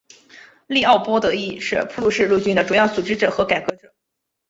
利奥波德亦是普鲁士陆军的主要组织者和改革者。